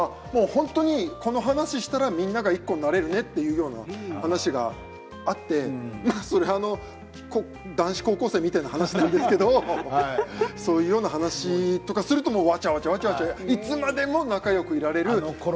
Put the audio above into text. この話をしたらみんな１個になれるねという話があってそれは男子高校生みたいな話なんですけどそのような話とかするとわちゃわちゃいつまでも仲よくいられる。